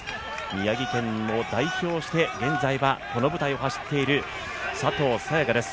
宮城県を代表して現在、この舞台を走っている佐藤早也伽です。